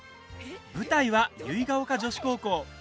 舞台は結ヶ丘女子高校。